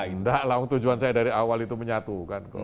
enggak lah tujuan saya dari awal itu menyatukan